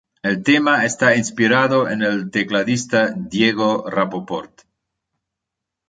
El tema está inspirado en el tecladista Diego Rapoport.